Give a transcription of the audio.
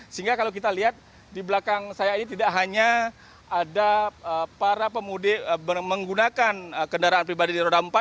sehingga kalau kita lihat di belakang saya ini tidak hanya ada para pemudik menggunakan kendaraan pribadi di roda empat